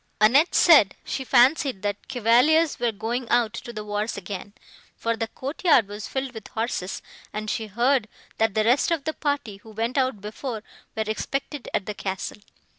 Annette said, she fancied the Chevaliers were going out to the wars again, for the courtyard was filled with horses, and she heard, that the rest of the party, who went out before, were expected at the castle.